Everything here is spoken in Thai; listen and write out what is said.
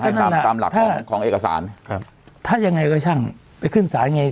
ตามตามหลักของของเอกสารครับถ้ายังไงก็ช่างไปขึ้นศาลไง